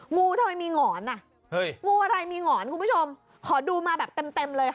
งูทำไมมีหงอนอ่ะเฮ้ยงูอะไรมีหงอนคุณผู้ชมขอดูมาแบบเต็มเต็มเลยค่ะ